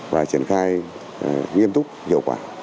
và triển khai nghiêm túc hiệu quả